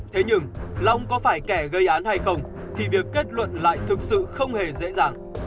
thế nhưng là ông có phải kẻ gây án hay không thì việc kết luận lại thực sự không hề dễ dàng